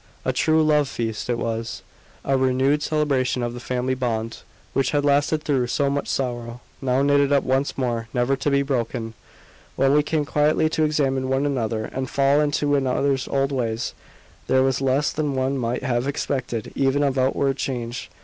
A true love feast it was: a renewed celebration of the family bond, which had lasted through so much sorrow, now knitted up once more, never to be broken. When we came quietly to examine one another and fall into one another's old ways, there was less than one might have expected even of outward change.